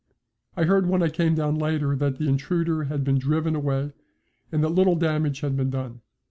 I heard when I came down later that the intruder had been driven away and that little damage had been done.